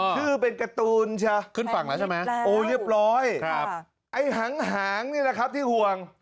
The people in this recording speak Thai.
ชื่อเป็นการ์ตูนใช่ไหมโอ๋เย็บร้อยไอ้หังนี่นะครับที่ห่วง